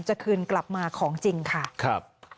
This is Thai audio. จะคืนกลับมาของจริงค่ะครับ